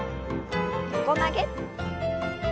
横曲げ。